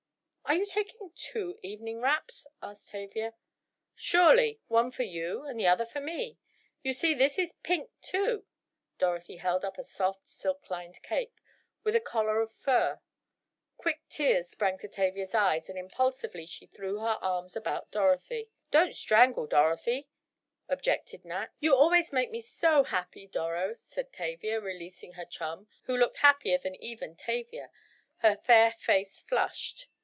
"Are you taking two evening wraps?" asked Tavia. "Surely, one for you and the other for me. You see this is pink too," Dorothy held up a soft, silk lined cape, with a collar of fur. Quick tears sprang to Tavia's eyes, and impulsively she threw her arms about Dorothy. "Don't strangle Dorothy," objected Nat. "You always make me so happy, Doro," said Tavia, releasing her chum, who looked happier even than Tavia, her fair face flushed.